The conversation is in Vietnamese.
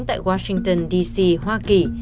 tại washington dc hoa kỳ